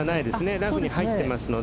ラフに入ってますので。